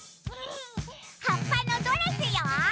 はっぱのドレスよ！